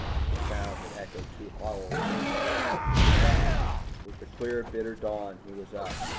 The sound had echoed too hollowly in his helmet. With the clear bitter dawn he was up.